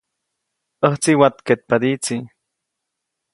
ʼÄjtsi watkeʼtpadiʼtsi.